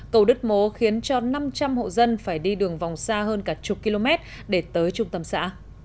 cầu đứt mố khiến cho năm trăm linh hộ dân phải đi đường vòng xa hơn cả chục km để tới trung tâm xã